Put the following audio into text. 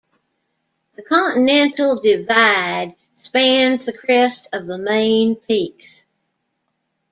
The Continental Divide spans the crest of the main peaks.